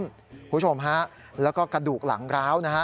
คุณผู้ชมฮะแล้วก็กระดูกหลังร้าวนะฮะ